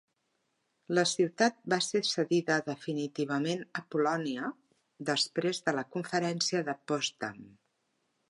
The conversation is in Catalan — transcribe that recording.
La ciutat va ser cedida definitivament a Polònia després de la Conferència de Potsdam.